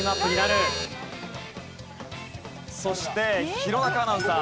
そして弘中アナウンサー。